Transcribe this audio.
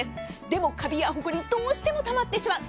でも、カビやほこりどうしてもたまってしまう。